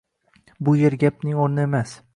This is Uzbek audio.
Bu yer gapning oʻrni emas